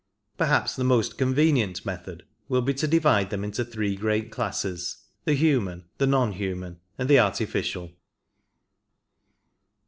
Perhaps the most convenient method will be to divide them into three great classes, the human, the non human, and the artificial.